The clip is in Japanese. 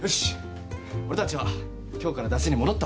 俺たちは今日からだちに戻ったわけだ。